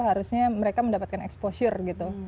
harusnya mereka mendapatkan exposure gitu